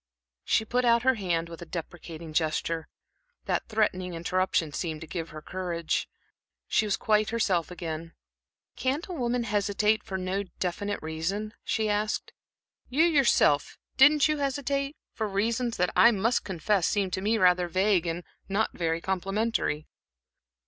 She put out her hand with a deprecating gesture. That threatening interruption seemed to give her courage. She was quite herself again. "Can't a woman hesitate for no definite reason?" she asked. "You, yourself didn't you hesitate for reasons that I must confess seem to me rather vague and not very complimentary."